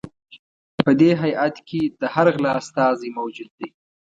په دې هیات کې د هر غله استازی موجود دی.